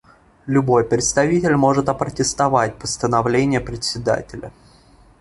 Любой представитель может опротестовать постановление Председателя.